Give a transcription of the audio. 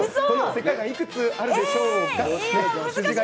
石灰岩いくつあるでしょうか。